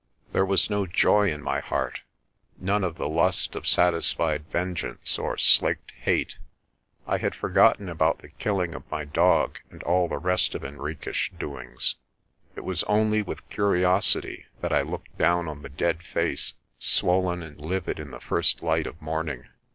There was no joy in my heart, none of the lust of satisfied vengeance or slaked hate. I had forgotten about the killing of my dog and all the rest of Henriques' doings. It was only with curiosity that I looked down on the dead face, swollen and livid in the first light of morning.